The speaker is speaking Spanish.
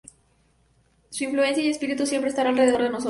Su influencia y espíritu siempre estará alrededor de nosotros.